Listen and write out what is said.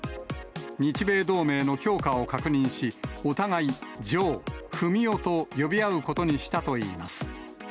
日米同盟の強化を確認し、お互い、ジョー、フミオと呼び合うことにしたといいます。